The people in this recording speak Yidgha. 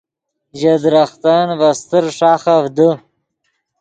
ژے درختن ڤے استر ݰاخف دے